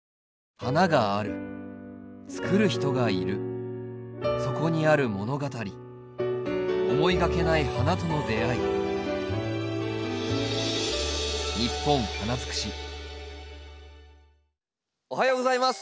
花があるつくる人がいるそこにある物語思いがけない花との出会いおはようございます。